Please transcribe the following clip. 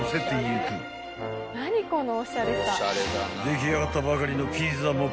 ［出来上がったばかりのピザも］